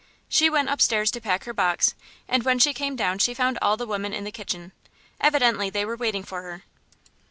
She went upstairs to pack her box, and when she came down she found all the women in the kitchen; evidently they were waiting for her.